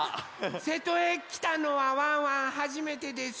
瀬戸へきたのはワンワンはじめてです。